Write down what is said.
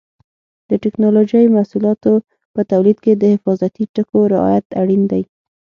د ټېکنالوجۍ محصولاتو په تولید کې د حفاظتي ټکو رعایت اړین دی.